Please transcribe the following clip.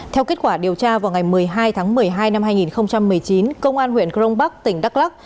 theo kết quả điều tra vào ngày một mươi hai tháng một mươi hai năm hai nghìn một mươi chín công an huyện crong bắc tỉnh đắk lắc